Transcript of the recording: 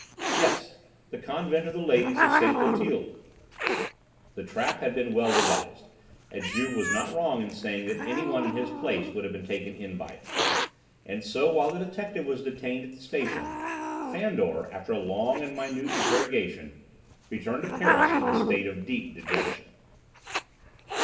"Yes, the Convent of the Ladies of St. Clotilde." The trap had been well devised, and Juve was not wrong in saying that anyone in his place would have been taken in by it. And so while the detective was detained at the station, Fandor, after a long and minute interrogation, returned to Paris in a state of deep dejection.